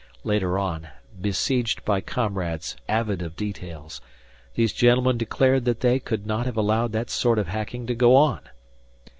Later on, besieged by comrades avid of details, these gentlemen declared that they could not have allowed that sort of hacking to go on.